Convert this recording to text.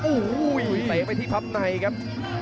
โอ้โหเตะไปที่พับในครับ